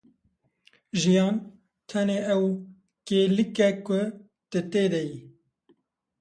Jiyan, tenê ew kêlîk e ku tu tê de yî.